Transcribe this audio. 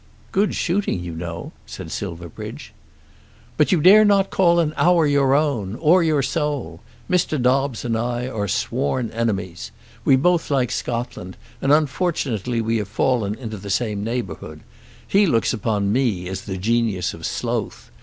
"Good shooting, you know," said Silverbridge. "But you dare not call an hour your own or your soul. Mr. Dobbes and I are sworn enemies. We both like Scotland, and unfortunately we have fallen into the same neighbourhood. He looks upon me as the genius of sloth.